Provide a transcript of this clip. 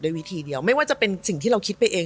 วิธีเดียวไม่ว่าจะเป็นสิ่งที่เราคิดไปเอง